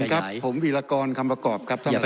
ท่านประธานครับผมวิรากรคำประกอบครับท่านประธานครับ